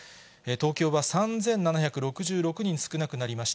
東京は３７６６人少なくなりました。